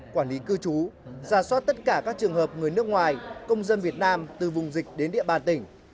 quản lý cư trú ra soát tất cả các trường hợp người nước ngoài công dân việt nam từ vùng dịch đến địa bàn tỉnh